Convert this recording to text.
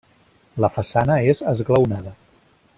La façana és esglaonada.